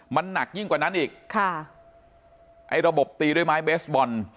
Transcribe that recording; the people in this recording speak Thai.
มันหนักยิ่งกว่านั้นอีกค่ะไอ้ระบบตีด้วยไม้เบสบอล